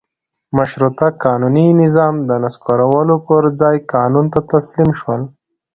مشروطه قانوني نظام د نسکورولو پر ځای قانون ته تسلیم شول.